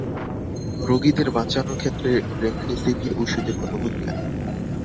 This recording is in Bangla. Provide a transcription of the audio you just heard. রোগীদের বাঁচানোর ক্ষেত্রে রেমেডেসেভির ওষুধের কোন ভূমিকা নেই।